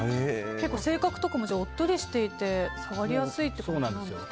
結構、性格とかもおっとりしていて触りやすいってことなんですかね。